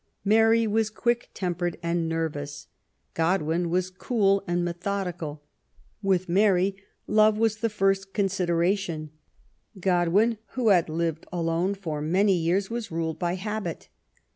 Mary was quick tempered and nervous. God win was cool and methodical. With Mary, love was the first consideration ; Godwin, who had lived alone for many years, was ruled by habit.